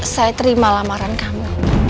saya terima lamaran kamu